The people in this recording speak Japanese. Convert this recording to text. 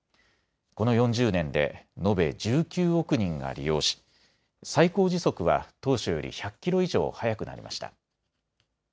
この４０年で延べ１９億人が利用し最高時速は当初より１００キロ以上速くなりました。